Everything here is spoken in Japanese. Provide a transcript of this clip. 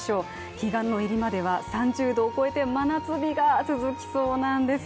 彼岸の入りまでは３０度を超えて真夏日が続きそうなんです。